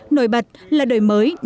nổi bật là đời mới nâng cao